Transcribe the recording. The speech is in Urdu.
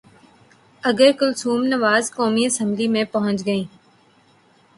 اگر کلثوم نواز قومی اسمبلی میں پہنچ گئیں۔